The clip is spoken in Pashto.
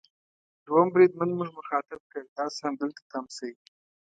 دوهم بریدمن موږ مخاطب کړ: تاسو همدلته تم شئ.